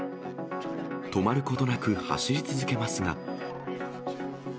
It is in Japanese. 止まることなく走り続けますが。